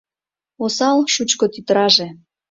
Осал шучко тӱтыраже